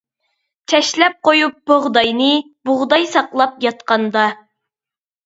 چەشلەپ قويۇپ بۇغداينى، بۇغداي ساقلاپ ياتقاندا.